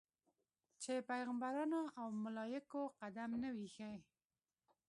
چې پیغمبرانو او یا ملایکو قدم نه وي ایښی.